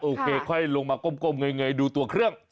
โอเคค่อยลงมาก้มไงดูตัวเครื่อง